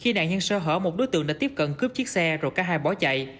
khi nạn nhân sơ hở một đối tượng đã tiếp cận cướp chiếc xe rồi cả hai bỏ chạy